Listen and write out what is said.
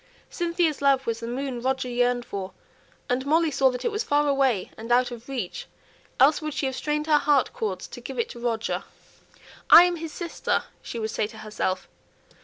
Cynthia's love was the moon Roger yearned for; and Molly saw that it was far away and out of reach, else would she have strained her heart cords to give it to Roger. "I am his sister," she would say to herself.